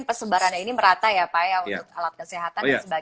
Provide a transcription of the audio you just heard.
persebarannya ini merata ya pak ya untuk alat kesehatan dan sebagainya